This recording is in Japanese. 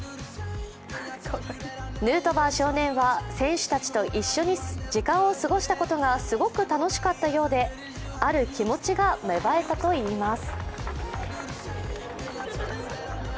ヌートバー少年は選手たちと一緒に時間を過ごしたことがすごく楽しかったようである気持ちが芽生えたといいます。